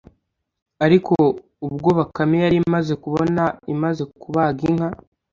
ariko ubwo bakame yari imaze kubona imaze kubaga inka